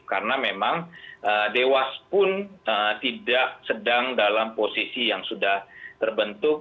karena memang dewas pun tidak sedang dalam posisi yang sudah terbentuk